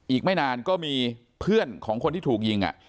อีกไม่นานก็มีเพื่อนของคนที่ถูกยิง